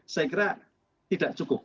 saya kira tidak cukup